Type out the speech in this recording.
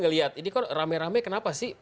melihat ini kok rame rame kenapa sih